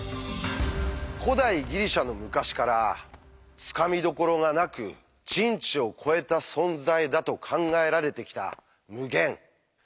古代ギリシャの昔からつかみどころがなく「人知を超えた存在」だと考えられてきた「無限」。